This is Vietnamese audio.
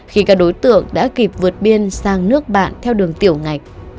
khi các đối tượng đã kịp vượt biên sang nước bạn theo đường tiểu ngạch